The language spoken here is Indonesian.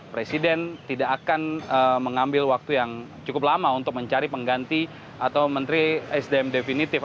presiden tidak akan mengambil waktu yang cukup lama untuk mencari pengganti atau menteri sdm definitif